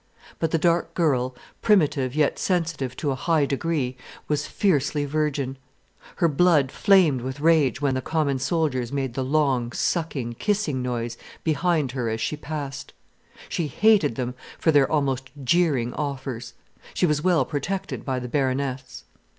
But the dark girl, primitive yet sensitive to a high degree, was fiercely virgin. Her blood flamed with rage when the common soldiers made the long, sucking, kissing noise behind her as she passed. She hated them for their almost jeering offers. She was well protected by the Baroness.